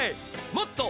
「もっと！